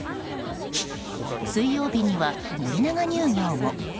水曜日には森永乳業も。